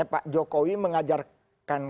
pak jokowi mengajarkan